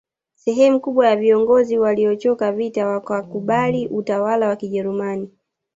Sehemu kubwa ya viongozi waliochoka vita wakakubali utawala wa kijerumani